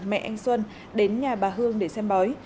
mẹ anh xuân đến nhà bà hương để xem bói